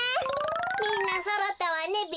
みんなそろったわねべ。